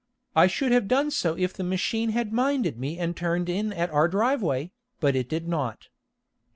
I should have done so if the machine had minded me and turned in at our driveway, but it did not.